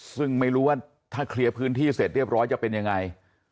ซึ่งไม่รู้ว่าถ้าเคลียร์พื้นที่เสร็จเรียบร้อยจะเป็นยังไง